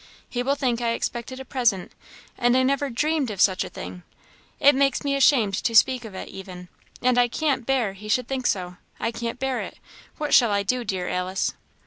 He will think I expected a present, and I never dreamed of such a thing! It makes me ashamed to speak of it, even; and I can't bear he should think so I can't bear it! What shall I do, dear Alice?"